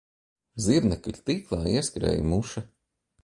Zirnekļa tīklā ieskrēja muša